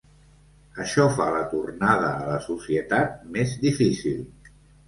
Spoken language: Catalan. Això fa la tornada a la societat més difícil.